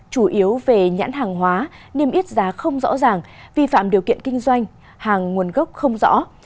chủ yếu về nhãn hàng hóa niêm yết giá không rõ ràng vi phạm điều kiện kinh doanh hàng nguồn gốc không rõ